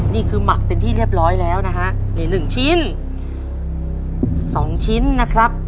หมักเป็นที่เรียบร้อยแล้วนะฮะนี่หนึ่งชิ้นสองชิ้นนะครับ